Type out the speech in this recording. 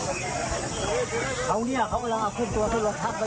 คุณผู้ชมรักกรรมโมอายุห้าสิบเก้าปี